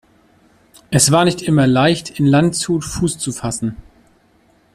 Es war nicht immer leicht, in Landshut Fuß zu fassen.